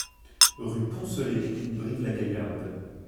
Rue Poncelet, Brive-la-Gaillarde